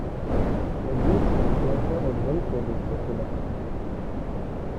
Le disque fait autant de bruit que les précédents.